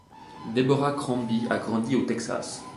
Deborah Crombie a grandi au Texas.